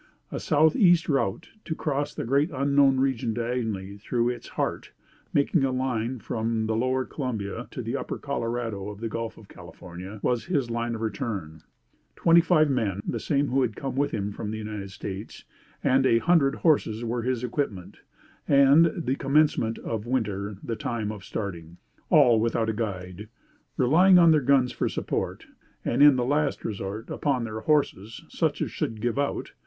A southeast route to cross the great unknown region diagonally through its heart (making a line from the Lower Columbia to the Upper Colorado of the Gulf of California), was his line of return; twenty five men (the same who had come with him from the United States) and a hundred horses were his equipment; and the commencement of winter the time of starting all without a guide, relying upon their guns for support; and, in the last resort, upon their horses such as should give out!